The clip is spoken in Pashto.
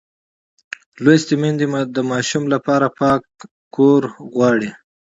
لوستې میندې د ماشوم لپاره پاک کور غواړي.